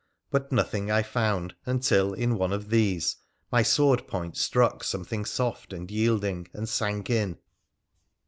But nothing I found until, in one of these, my sword point struck something soft and yielding, and sank in.